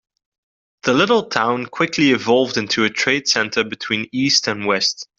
The little town quickly evolved into a trade center between east and west.